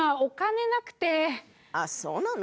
あっそうなの？